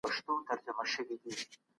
د باران وروسته د فیل خاپونه ښکاره سول.